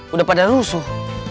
udah padahal rusuh